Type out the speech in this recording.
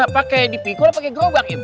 pakai dipikul atau pakai gerobak